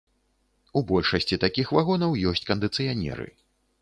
У большасці такіх вагонаў ёсць кандыцыянеры.